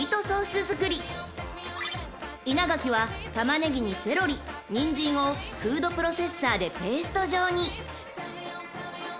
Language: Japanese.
［稲垣はタマネギにセロリニンジンをフードプロセッサーでペースト状に］